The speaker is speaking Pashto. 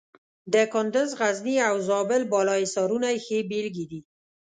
د کندز، غزني او زابل بالا حصارونه یې ښې بېلګې دي.